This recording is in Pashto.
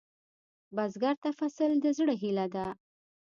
بزګر ته فصل د زړۀ هيله ده